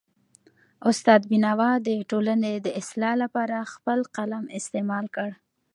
استاد بینوا د ټولنې د اصلاح لپاره خپل قلم استعمال کړ.